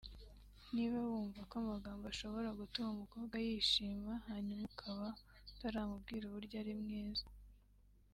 Niba wumva ko amagambo ashobora gutuma umukobwa yishima hanyuma ukaba utaramubwira uburyo ari mwiza